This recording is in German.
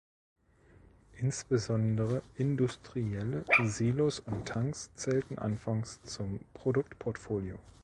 Insbesondere industrielle Silos und Tanks zählten anfangs zum Produktportfolio.